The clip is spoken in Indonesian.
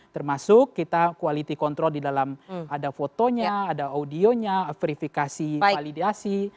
termasuk kita quality control di dalam ada fotonya ada audionya verifikasi validasi